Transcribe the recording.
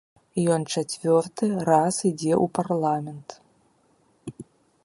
І ён чацвёрты раз ідзе ў парламент!